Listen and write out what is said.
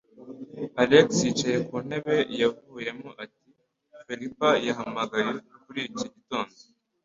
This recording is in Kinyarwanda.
Alex yicaye ku ntebe yavuyemo ati: "Felipa yahamagaye muri iki gitondo."